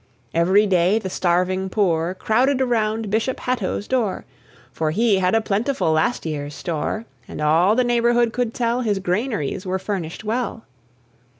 Every day the starving poor Crowded around Bishop Hatto's door; For he had a plentiful last year's store, And all the neighbourhood could tell His granaries were furnished well.